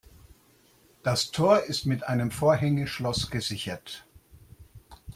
Das Tor ist mit einem Vorhängeschloss gesichert.